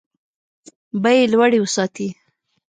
بیې لوړې وساتي.